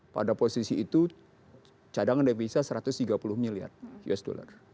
pada posisi itu cadangan devisa satu ratus tiga puluh miliar usd